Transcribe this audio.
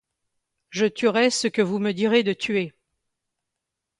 Je tuerai ce que vous me direz de tuer.